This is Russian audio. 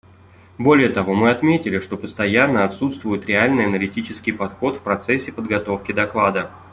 Более того мы отметили, что постоянно отсутствует реальный аналитический подход в процессе подготовки доклада.